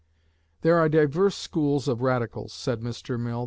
"There are divers schools of Radicals," said Mr. Mill.